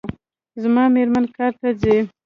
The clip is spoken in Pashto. زما میرمن کار ته ځي